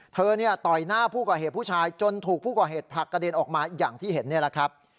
ต่อยหน้าผู้ก่อเหตุผู้ชายจนถูกผู้ก่อเหตุผลักกระเด็นออกมาอย่างที่เห็นนี่แหละครับ